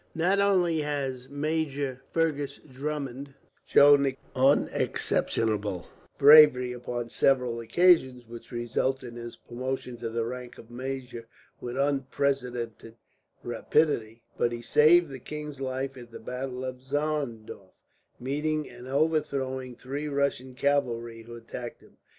Not only has Major Fergus Drummond shown exceptional bravery upon several occasions, which resulted in his promotion to the rank of major with unprecedented rapidity, but he saved the king's life at the battle of Zorndorf, meeting and overthrowing three Russian cavalrymen who attacked him.